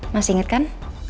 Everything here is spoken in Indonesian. masih inget kan